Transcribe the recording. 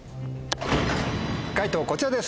解答こちらです。